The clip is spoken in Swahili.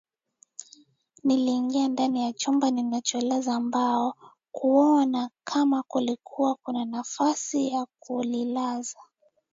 Niliingia ndani ya chumba ninacholaza mbao ili kuona kama kulikuwa kuna nafasi ya kulilaza